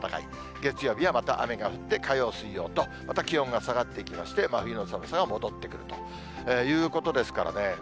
月曜日はまた雨が降って、火曜、水曜とまた気温が下がってきまして、真冬の寒さが戻ってくるということですからね。